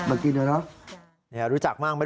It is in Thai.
แล้วคนที่ก่อทีก็รู้จักกันหมดเลย